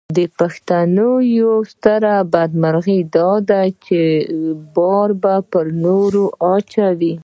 د پښتنو یوه ستره بدمرغي داده چې بار پر نورو اچوي.